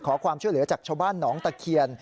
ขอความช่วยเหลือจากชาวบ้านหนองตะเคียน